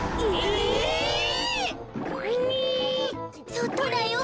そっとだよ。